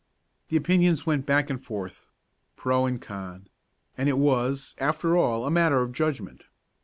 The opinions went back and forth pro and con and it was, after all, a matter of judgment.